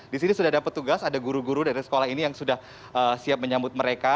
di sini sudah ada petugas ada guru guru dari sekolah ini yang sudah siap menyambut mereka